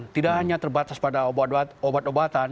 tidak hanya terbatas pada obat obatan